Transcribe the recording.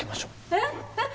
えっえっ